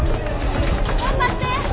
頑張って！